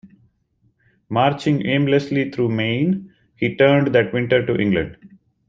Marching aimlessly through Maine, he returned that winter to England.